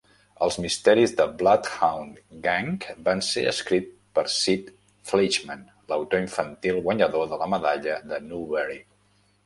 Els misteris del "Bloodhound Gang" van ser escrits per Sid Fleischman, l'autor infantil guanyador de la medalla de Newbery.